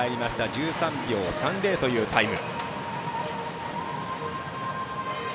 １３秒３０というタイム。